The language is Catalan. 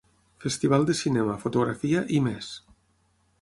Festival de cinema, fotografia i més.